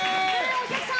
お客さん